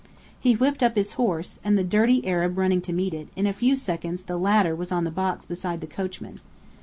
He whipped up his horse, and the dirty Arab running to meet it, in a few seconds the latter was on the box beside the coachman.